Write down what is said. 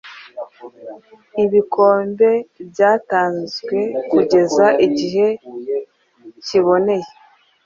Ibikombebyatanzwekugeza igihe kiboneye